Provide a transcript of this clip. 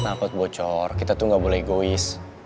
nah kok bocor kita tuh gak boleh egois